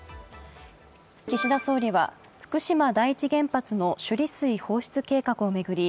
岸田総理は福島第一原発の処理水放出計画を巡り